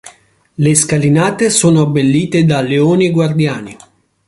Le scalinate sono abbellite da leoni guardiani.